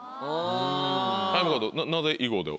なぜ囲碁で？